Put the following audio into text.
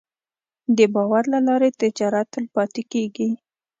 د باور له لارې تجارت تلپاتې کېږي.